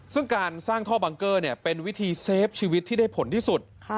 ซึ่งการสร้างท่อบังเกอร์เป็นวิธีเซฟชีวิตที่ได้ผลที่สุด